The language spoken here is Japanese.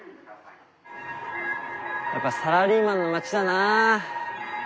やっぱサラリーマンの街だな。